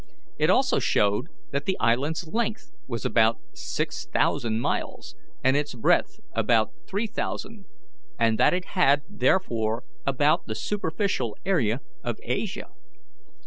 It also showed that the island's length was about six thousand miles, and its breadth about three thousand, and that it had therefore about the superficial area of Asia.